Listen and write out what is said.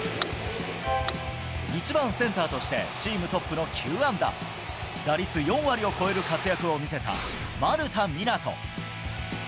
１番センターとして、チームトップの９安打、打率４割を超える活躍を見せた丸田湊斗。